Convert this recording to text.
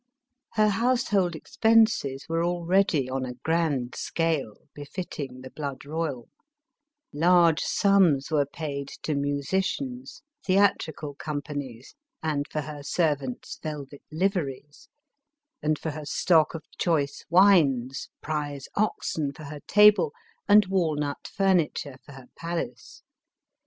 Iler household expenses were already on a grand scale, befitting the blood royal ; large sums were paid to musicians, theatrical companies, and for her servant's velvet liveries, and for her stock of choice wines, prize oxen for her table, and walnut furniture for her palace.